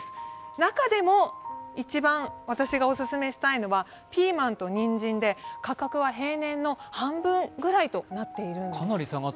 中でも一番私がお勧めしたいのはピーマンとにんじんで価格は平年の半分ぐらいとなっているんです。